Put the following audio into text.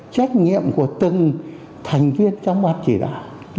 trách nhiệm của từng thành viên trong ban chỉ đạo